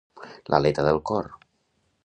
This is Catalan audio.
L'aleta del cor.